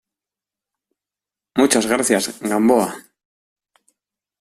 muchas gracias, Gamboa.